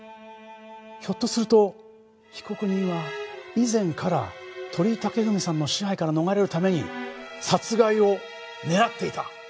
ひょっとすると被告人は以前から鳥居武文さんの支配から逃れるために殺害を狙っていた。